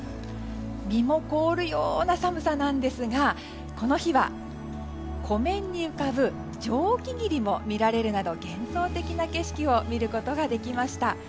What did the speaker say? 身も凍るような寒さなんですがこの日は、湖面に浮かぶ蒸気霧も見られるなど、幻想的な景色を見ることができました。